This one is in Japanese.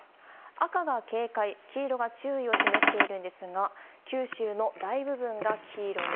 赤が警戒、黄色が注意を示しているんですが九州の大部分が黄色に。